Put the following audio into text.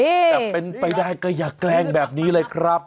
แต่เป็นไปได้ก็อย่าแกล้งแบบนี้เลยครับ